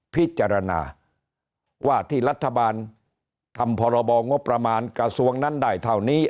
พิจารณาว่าที่รัฐบาลทำพรบงบประมาณกระทรวงนั้นได้เท่านี้